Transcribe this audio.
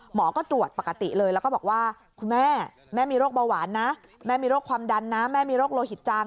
หมอก็ตรวจปกติเลยแล้วก็บอกว่าคุณแม่แม่มีโรคเบาหวานนะแม่มีโรคความดันนะแม่มีโรคโลหิตจัง